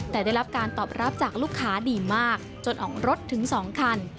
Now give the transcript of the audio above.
แต่ได้รับการตอบรับจากลูกค้าดีมากจนออกรถถึง๒คัน